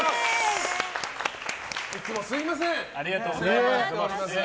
いつもすみません。